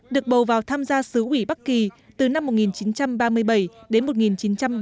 được bầu vào tham gia sứ ủy bắc kỳ từ năm một nghìn chín trăm ba mươi bảy đến một nghìn chín trăm ba mươi